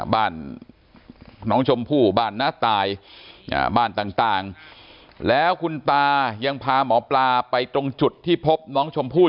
บ้านน้องชมพู่บ้านน้าตายบ้านต่างแล้วคุณตายังพาหมอปลาไปตรงจุดที่พบน้องชมพู่